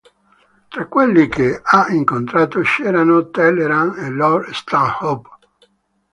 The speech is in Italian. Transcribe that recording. Tra quelli che ha incontrato c'erano Talleyrand e Lord Stanhope.